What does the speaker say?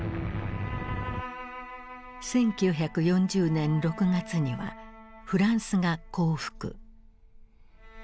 １９４０年６月にはフランスが降伏。